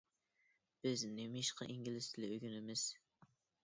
بىز نېمىشقا ئىنگلىز تىلى ئۆگىنىمىز؟